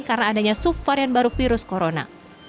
karena adanya subvarian baru virus corona